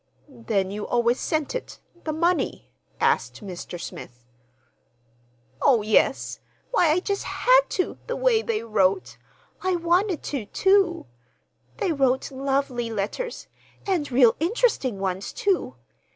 "Then you always sent it—the money?" asked Mr. Smith. "Oh, yes. Why, I just had to, the way they wrote; I wanted to, too. They wrote lovely letters, and real interesting ones, too.